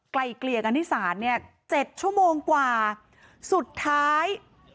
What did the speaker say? ไกลเกลี่ยกันที่ศาลเนี่ยเจ็ดชั่วโมงกว่าสุดท้าย